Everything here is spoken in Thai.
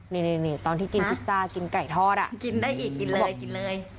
นี่ตอนที่กินพิซซ่ากินไก่ทอดกินได้อีกกินเลยกินเลย